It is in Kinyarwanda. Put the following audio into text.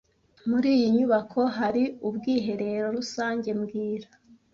Muri iyi nyubako hari ubwiherero rusange mbwira